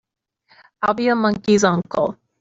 I'll be a monkey's uncle!